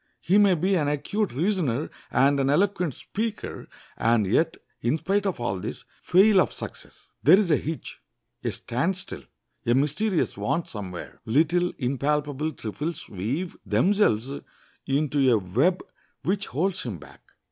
He may be an acute reasoner and an eloquent speaker, and yet, in spite of all this, fail of success. There is a hitch, a stand still, a mysterious want somewhere. Little, impalpable trifles weave themselves into a web which holds him back.